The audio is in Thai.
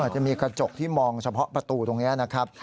จะมีกระจกที่มองเฉพาะประตูตรงนี้นะครับ